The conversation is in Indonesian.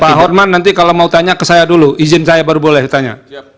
pak horman nanti kalau mau tanya ke saya dulu izin saya baru boleh ditanya